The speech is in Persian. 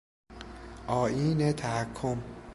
آئین تحکم